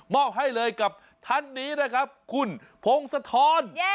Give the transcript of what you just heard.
มอบให้เลยกับทันนี้นะครับคุณโพงสะทอน